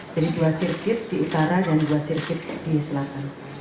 jadi dua sirkit di utara dan dua sirkit di selatan